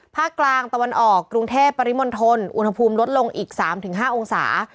ภาคกลางตะวันออกกรุงเทพปริมณฑลอุณหภูมิลดลงอีก๓๕องศา